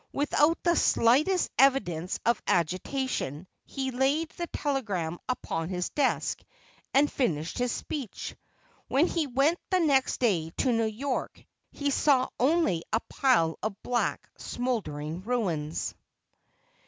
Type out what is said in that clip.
Without the slightest evidence of agitation, he laid the telegram upon his desk and finished his speech. When he went next day to New York he saw only a pile of black, smouldering ruins.